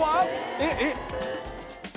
えっえっ。